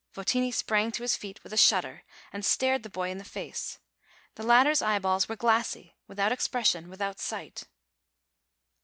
Votini sprang to his feet, with a shudder, and stared the boy in the face: the latter's eyeballs were glassy, without expression, without sight.